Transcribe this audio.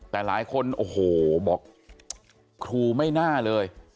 แต่หลายคนโอ้โหบอกครูไม่น่าเลย